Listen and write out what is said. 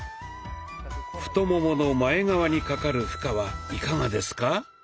太ももの前側にかかる負荷はいかがですか？